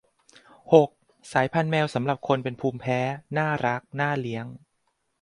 หก สายพันธุ์แมวสำหรับคนเป็นภูมิแพ้ น่ารัก น่าเลี้ยง